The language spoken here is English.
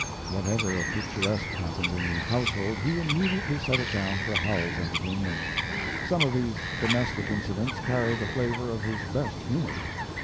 ] Whatever of picturesque happened in the household he immediately set it down for Howells's entertainment. Some of these domestic incidents carry the flavor of his best humor.